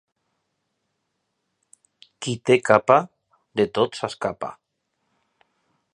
Qui té capa de tot s'escapa.